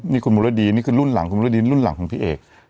นี่คุณมรดีนี่คือรุ่นหลังของพี่เอก